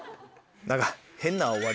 何か。